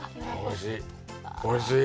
おいしい！